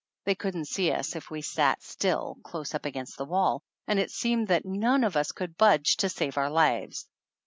They couldn't see us if we sat still, close up against the wall ; and it seemed that none of us could budge to save our lives!